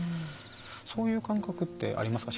そういう感覚ってありますか？